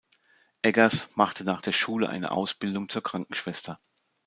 Eggers machte nach der Schule eine Ausbildung zur Krankenschwester.